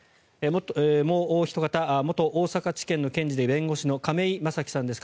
もうおひと方元大阪地検の検事で亀井正貴さんです。